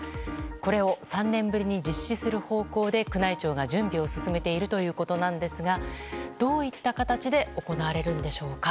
これを３年ぶりに実施する方向で宮内庁が準備を進めているということですがどういった形で行われるのでしょうか。